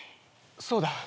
そうだ。